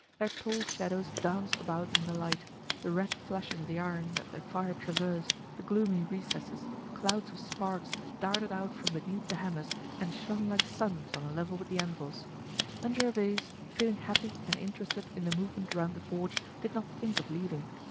Their tall shadows danced about in the light, the red flashes of the iron that the fire traversed, the gloomy recesses, clouds of sparks darted out from beneath the hammers and shone like suns on a level with the anvils. And Gervaise, feeling happy and interested in the movement round the forge, did not think of leaving.